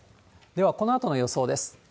では、このあとの予想です。